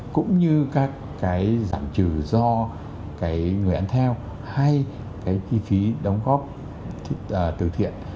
cũng như các cái giảm chứa do người ăn theo hay cái chi phí đóng góp từ thiện